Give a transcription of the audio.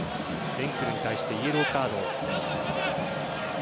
エンクルに対してイエローカード。